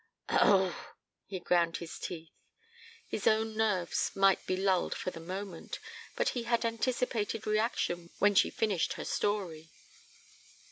"Oh!" He ground his teeth. His own nerves might be lulled for the moment, but he had anticipated reaction when she finished her story.